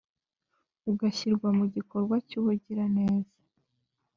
ugashyirwa mu gikorwa cy ubugiraneza